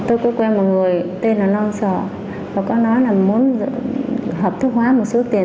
tôi có quen một người tên là lo sợ và có nói là muốn hợp thức hóa một số tiền